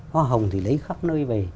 hoa hồng thì lấy khắp nơi về